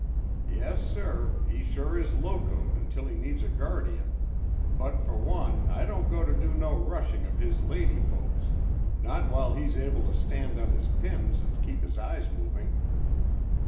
Yessir, he sure is locoed until he needs a guardian, but for one I don't go to do no rushing of his lady folks, not while he's able to stand on his pins and keep his eyes moving.